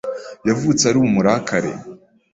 Yavutse ari umurakare